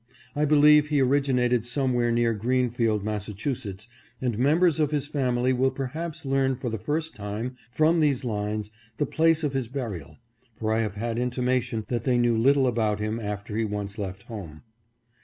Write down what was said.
I believe he originated somewhere near Greenfield, Mass achusetts, and members of his family will perhaps learn for the first time, from these lines, the place of his burial ; for I have had intimation that they knew little about him after he once left home.